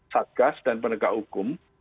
sagas dan penegak hukum